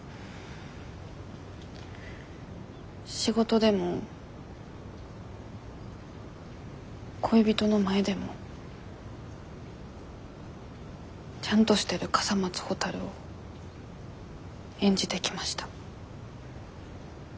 仕事でも恋人の前でも「ちゃんとしてる笠松ほたる」を演じてきました。